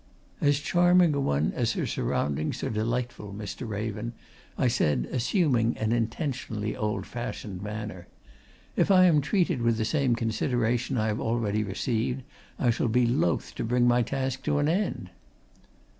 "As charming a one as her surroundings are delightful, Mr. Raven," I said, assuming an intentionally old fashioned manner. "If I am treated with the same consideration I have already received, I shall be loth to bring my task to an end!"